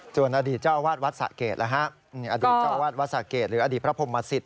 สวยงนอดีตเจ้าอาวาสวัสดิ์ส่าแกดอดีตเจ้าอาวาสส่าแกดหรืออดีตพระภมมัสศิษย์